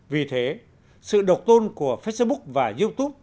vì thế sự độc tôn của facebook và youtube